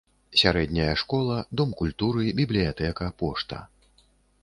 Сярэдняя школа, дом культуры, бібліятэка, пошта.